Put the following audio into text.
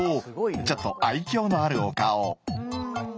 ちょっと愛きょうのあるお顔。